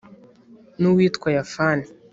n'uwitwa yafani